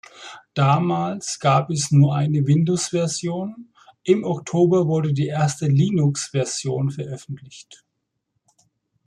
Damals gab nur es eine Windows-Version, im Oktober wurde die erste Linux-Version veröffentlicht.